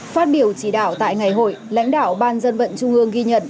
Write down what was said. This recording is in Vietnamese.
phát biểu chỉ đạo tại ngày hội lãnh đạo ban dân vận trung ương ghi nhận